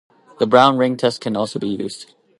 The Brown Ring Test can also be used.